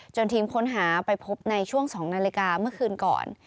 ทีมค้นหาไปพบในช่วง๒นาฬิกาเมื่อคืนก่อน